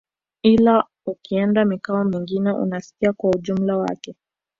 Ila ukienda mikoa mingine unasikia kwa ujumla wake